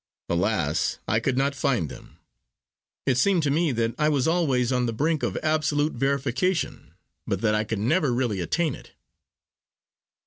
Alas! I could not find them. It seemed to me that I was always on the brink of absolute verification, but that I could never really attain to it.